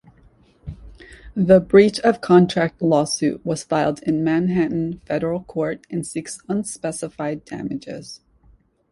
The breach-of-contract lawsuit was filed in Manhattan federal court and seeks unspecified damages.